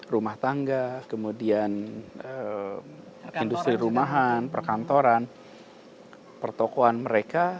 rumah tangga kemudian industri rumahan perkantoran pertokohan mereka